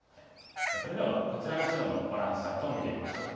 それではこちらの白のバランスチャートを見てみましょう。